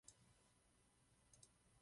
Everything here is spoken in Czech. Bedřich Přemysl Hanák.